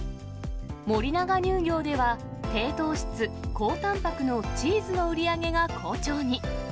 森永乳業では、低糖質、高たんぱくのチーズの売り上げが好調に。